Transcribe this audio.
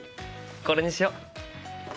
これにしよう。